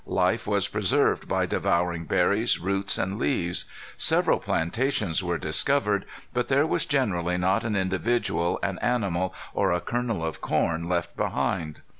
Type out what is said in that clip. Life was preserved by devouring berries, roots, and leaves. Several plantations were discovered, but there was generally not an individual, an animal, or a kernel of corn left behind.